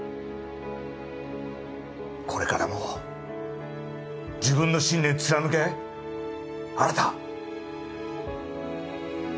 これからも自分の信念貫け新！